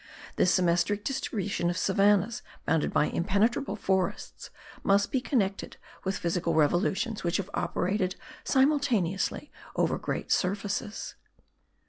This symmetric distribution of savannahs bounded by impenetrable forests, must be connected with physical revolutions which have operated simultaneously over great surfaces.